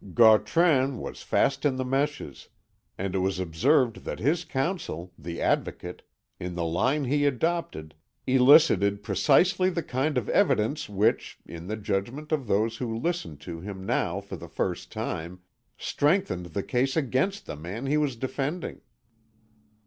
Gautran was fast in the meshes, and it was observed that his counsel, the Advocate, in the line he adopted, elicited precisely the kind of evidence which in the judgment of those who listened to him now for the first time strengthened the case against the man he was defending.